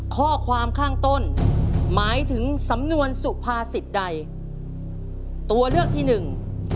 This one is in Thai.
ข้อความข้างต้นหมายถึงสำนวนสุภาษิตใดตัวเลือกที่หนึ่ง